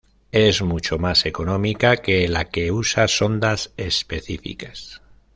Es mucho más económica que la que usa sondas específicas.